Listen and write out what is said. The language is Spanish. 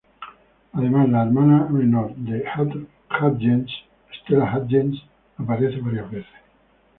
Además, la hermana menor de Hudgens, Stella Hudgens, aparece varias veces.